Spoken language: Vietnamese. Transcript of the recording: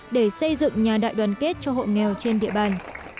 để xây dựng nhà đại đoàn kết cho hộ nghèo trên địa bàn